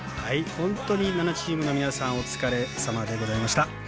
本当に７チームの皆さんお疲れさまでございました。